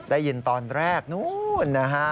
ได้ยินตอนแรกนู้นนะฮะ